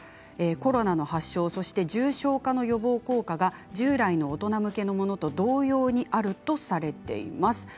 コロナの発症、そして重症化の予防効果が従来の大人向けのものと同様にあるとされています。